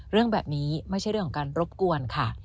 เรื่องแบบนี้ไม่ใช่เรื่องของการรบกวนค่ะ